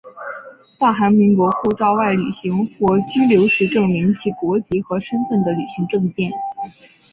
大韩民国护照外旅行或居留时证明其国籍和身份的旅行证件。